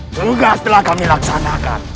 tugas telah kami laksanakan